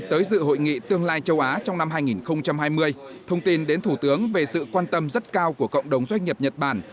tới dự hội nghị tương lai châu á trong năm hai nghìn hai mươi thông tin đến thủ tướng về sự quan tâm rất cao của cộng đồng doanh nghiệp nhật bản